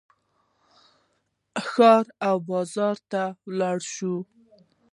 ښار او بازار ته ولاړ شو.